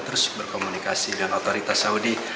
terus berkomunikasi dengan otoritas saudi